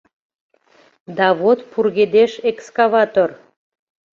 Да вот пургедеш экскаватор.